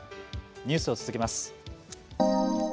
ニュースを続けます。